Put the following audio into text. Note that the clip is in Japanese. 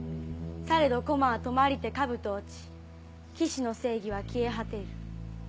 されどコマは止まりて兜落ち騎士の正義は消え果てる」。